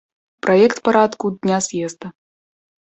Праект парадку дня з'езда.